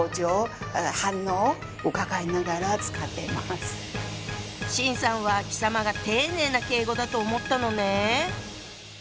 はぁ⁉秦さんは「貴様」が丁寧な敬語だと思ったのね。